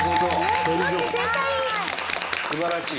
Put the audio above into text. すばらしい。